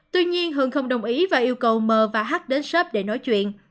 tuy nhiên hường không đồng ý và yêu cầu m và h đến sớp để nói chuyện